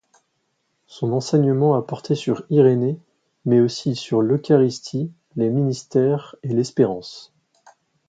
Son enseignement a porté sur Irénée, mais aussi sur l'eucharistie, les ministères, l'espérance.